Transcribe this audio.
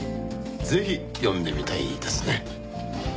ぜひ読んでみたいですね。